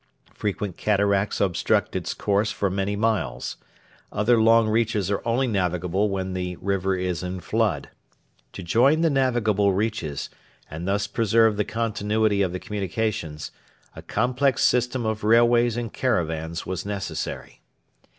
Frequent cataracts obstruct its course for many miles. Other long reaches are only navigable when the river is in flood. To join the navigable reaches, and thus preserve the continuity of the communications, a complex system of railways and caravans was necessary.